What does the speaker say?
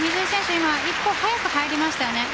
一歩早く入りましたよね。